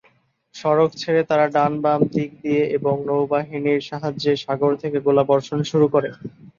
সড়ক ছেড়ে তারা ডান-বাম দিক দিয়ে এবং নৌবাহিনীর সাহায্যে সাগর থেকে গোলাবর্ষণ শুরু করে।